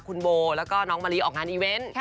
คุณโบแล้วก็น้องมะลิออกงานอีเวนต์